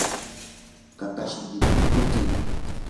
kakashniykita mikutsii